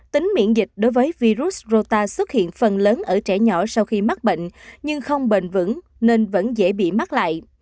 tính miễn dịch đối với virus rota xuất hiện phần lớn ở trẻ nhỏ sau khi mắc bệnh nhưng không bền vững nên vẫn dễ bị mắc lại